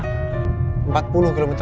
empat puluh km per jam kalo bisa